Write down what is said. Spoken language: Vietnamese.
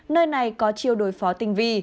nơi này có chiêu đối phó tinh vi